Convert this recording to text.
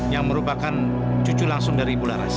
yang merupakan cucu langsung dari ibu laras